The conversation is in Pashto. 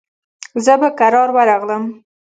زه به کرار ورغلم.